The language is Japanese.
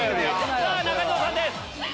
さぁ中条さんです！